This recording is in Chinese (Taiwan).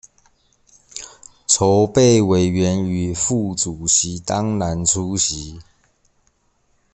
籌備委員與副主席當然出席